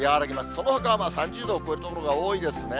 そのほかは３０度を超える所が多いですね。